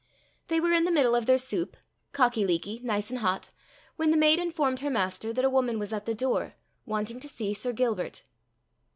They were in the middle of their soup cockie leekie, nice and hot, when the maid informed her master that a woman was at the door, wanting to see Sir Gilbert.